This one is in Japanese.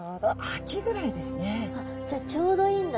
じゃあちょうどいいんだ。